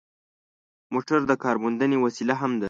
موټر د کارموندنې وسیله هم ده.